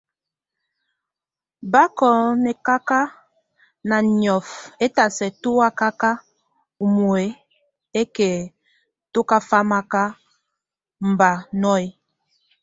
Bák o nekaka na miɔf, étasɛ tú akak umué ɛkɛ túkafamak, mba nú.